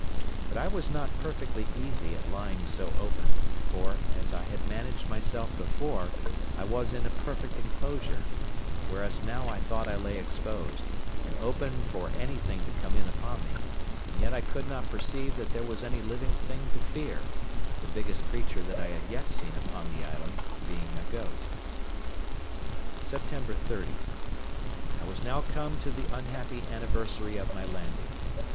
But I was not perfectly easy at lying so open; for, as I had managed myself before, I was in a perfect enclosure; whereas now I thought I lay exposed, and open for anything to come in upon me; and yet I could not perceive that there was any living thing to fear, the biggest creature that I had yet seen upon the island being a goat. Sept. 30.—I was now come to the unhappy anniversary of my landing.